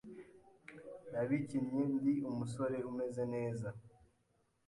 Nabikinnye ndi umusore umeze neza,